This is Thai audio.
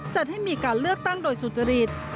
จัดให้มีการเลือกตั้งโดยสุจริต